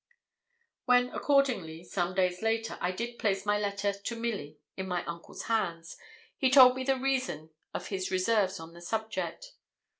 When, accordingly, some days later, I did place my letter to Milly in my uncle's hands, he told me the reason of his reserves on the subject.